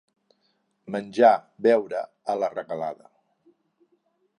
Menjar, beure, a la regalada.